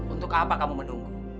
untuk apa kamu menunggu